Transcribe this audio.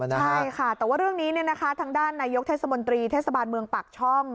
ใช่ค่ะแต่ว่าเรื่องนี้ทางด้านนายกเทศมนตรีเทศบาลเมืองปากช่อง